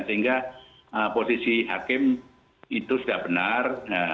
sehingga posisi hakim itu sudah benar